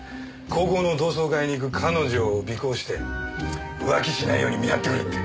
高校の同窓会に行く彼女を尾行して浮気しないように見張ってくれって。